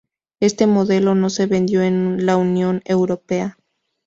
Este modelo no se vendió en la Unión Europea.